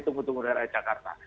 tunggu tunggu darahnya jakarta